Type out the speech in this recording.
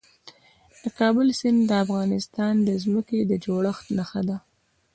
د کابل سیند د افغانستان د ځمکې د جوړښت نښه ده.